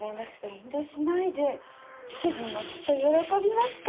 遠慮しないで主人もきっと喜びますから。